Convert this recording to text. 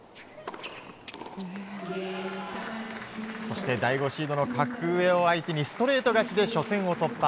そして第５シードの格上を相手にストレート勝ちで初戦を突破。